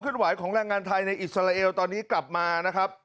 ไหวของแรงงานไทยในอิสราเอลตอนนี้กลับมานะครับ